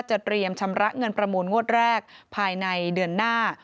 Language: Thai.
เตรียมชำระเงินประมูลงวดแรกภายในเดือนหน้า